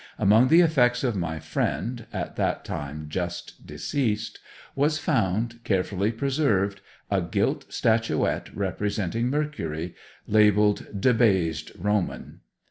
Among the effects of my friend, at that time just deceased, was found, carefully preserved, a gilt statuette representing Mercury, labelled 'Debased Roman.'